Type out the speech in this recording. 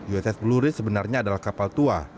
uss blue risk sebenarnya adalah kapal tua